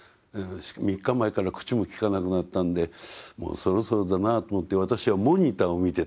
「３日前から口もきかなくなったんでもうそろそろだなと思って私はモニターを見てた」って。